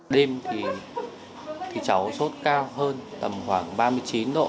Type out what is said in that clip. đêm thì cháu sốt cao hơn tầm khoảng ba mươi chín độ